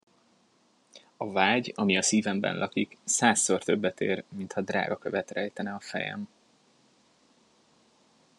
A vágy, ami a szívemben lakik, százszor többet ér, mintha drágakövet rejtene a fejem!